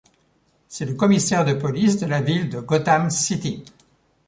C'est le commissaire de police de la ville de Gotham City.